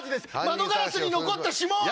窓ガラスに残った指紋を！